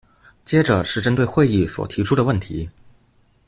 接著是針對會議所提出的問題